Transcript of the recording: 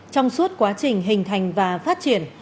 trong suốt quá trình hình thành và phát triển